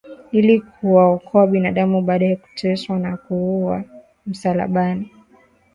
ili kuwaokoa binadamu Baada ya kuteswa na kuuawa msalabani